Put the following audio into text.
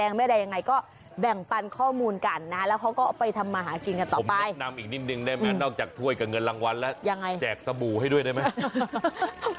แนะนำอีกนิดนึงได้ไหมนอกจากถ้วยกับเงินรางวัลแล้วยังไงแจกสบู่ให้ด้วยได้ไหม